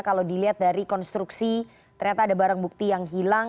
kalau dilihat dari konstruksi ternyata ada barang bukti yang hilang